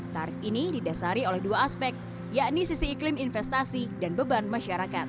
tarif ini didasari oleh dua aspek yakni sisi iklim investasi dan beban masyarakat